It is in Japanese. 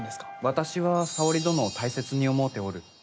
私は沙織殿を大切に思うておる。